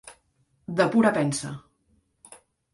De pura pensa.